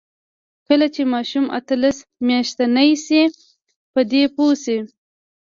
کله چې ماشوم اتلس میاشتنۍ شي، په دې پوه شي.